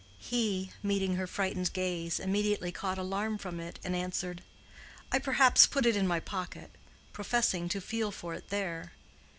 He, meeting her frightened gaze, immediately caught alarm from it and answered, "I perhaps put it in my pocket," professing to feel for it there.